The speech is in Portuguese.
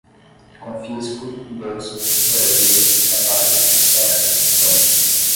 Confisco, bolsas, moradia, trabalho, terra, pão